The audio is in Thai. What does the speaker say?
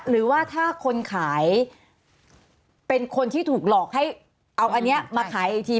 หรือว่าถ้าคนขายเป็นคนที่ถูกหลอกให้เอาอันนี้มาขายอีกที